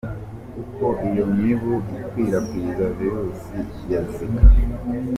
Uko iyo mibu ikwirakwiza virus ya Zika.